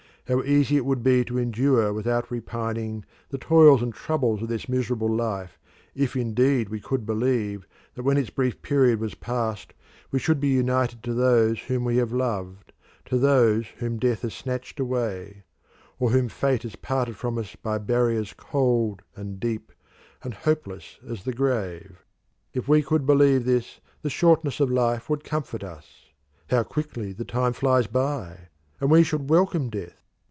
How easy it would be to endure without repining the toils and troubles of this miserable life if indeed we could believe that when its brief period was past we should be united to those whom we have loved, to those whom death has snatched away; or whom fate has parted from us by barriers cold and deep and hopeless as the grave. If we could believe this the shortness of life would comfort us how quickly the time flies by! and we should welcome death.